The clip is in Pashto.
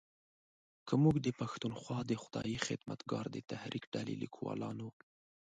که موږ د پښتونخوا د خدایي خدمتګار د تحریک ډلې لیکوالانو